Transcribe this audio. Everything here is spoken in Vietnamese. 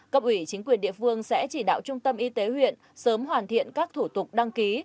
cấp ủy chính quyền địa phương sẽ chỉ đạo trung tâm y tế huyện sớm hoàn thiện các thủ tục đăng ký